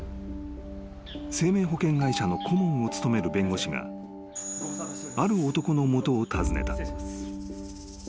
［生命保険会社の顧問を務める弁護士がある男の元を訪ねた］